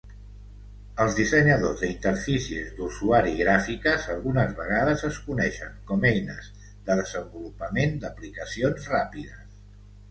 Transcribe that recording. Els dissenyadors de interfícies d"usuari gràfiques algunes vegades es coneixen com eines de desenvolupament d"aplicacions ràpides.